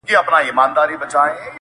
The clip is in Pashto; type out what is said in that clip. چي په وینو یې د ورور سره وي لاسونه.!